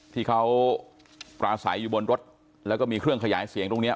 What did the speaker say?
ที่เขาปราศัยอยู่บนรถแล้วก็มีเครื่องขยายเสียงตรงนี้